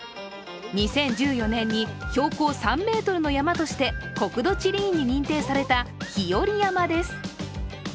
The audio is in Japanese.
２０１４年に標高３ｍの山として国土地理院に認定された日和山です。